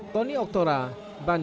tony oktora bandung